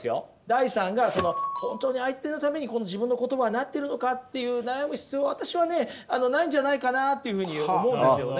ダイさんが本当に相手のために自分の言葉はなってるのかっていう悩む必要は私はねないんじゃないかなあというふうに思うんですよね。